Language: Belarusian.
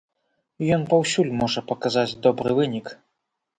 Ён паўсюль можа паказаць добры вынік.